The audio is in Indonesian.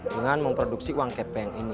dengan memproduksi uang kepeng ini